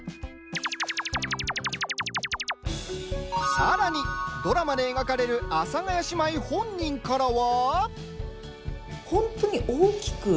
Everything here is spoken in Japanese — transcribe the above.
さらに、ドラマで描かれる阿佐ヶ谷姉妹本人からは。